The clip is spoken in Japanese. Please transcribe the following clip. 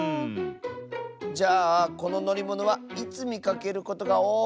じゃあこののりものはいつみかけることがおおい？